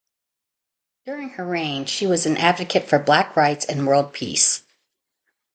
During her reign, she was an advocate for black rights and world peace.